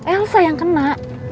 elsa yang kena